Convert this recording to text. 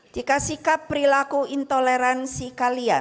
jika sikap perilaku intoleransi kalian